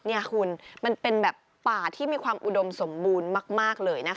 นี่คุณมันเป็นแบบป่าที่มีความอุดมสมบูรณ์มากเลยนะคะ